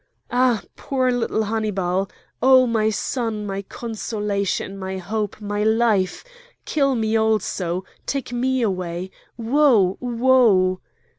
"Ah! poor little Hannibal! Oh! my son! my consolation! my hope! my life! Kill me also! take me away! Woe! Woe!"